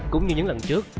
cũng như những lần trước